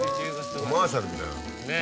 コマーシャルみたいだもん。